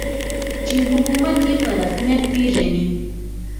چې حکومت یې په رسمیت پېژني.